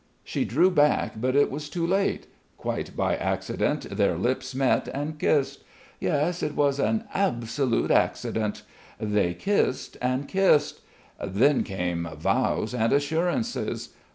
She drew back, but it was too late; quite by accident their lips met and kissed; yes, it was an absolute accident! They kissed and kissed. Then came vows and assurances....